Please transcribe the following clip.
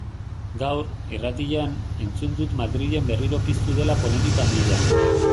Gaur, irratian, entzun dut Madrilen berriro piztu dela polemika handia.